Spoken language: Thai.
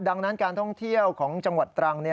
ดังนั้นการท่องเที่ยวของจังหวัดตรัง